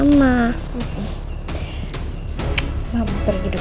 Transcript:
tidak mau pulang dulu ya